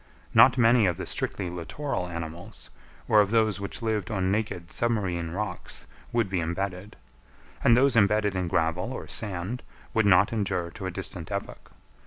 Not many of the strictly littoral animals, or of those which lived on naked submarine rocks, would be embedded; and those embedded in gravel or sand would not endure to a distant epoch.